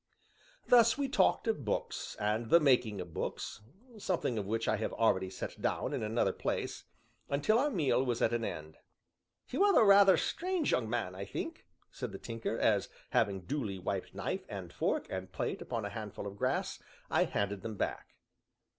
Thus we talked of books, and the making of books (something of which I have already set down in another place) until our meal was at an end. "You are a rather strange young man, I think," said the Tinker, as, having duly wiped knife, and fork, and plate upon a handful of grass, I handed them back.